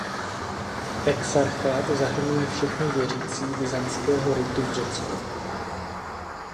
Exarchát zahrnuje všechny věřící byzantského ritu v Řecku.